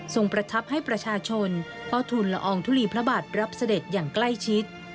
ประทับให้ประชาชนเฝ้าทุนละอองทุลีพระบาทรับเสด็จอย่างใกล้ชิด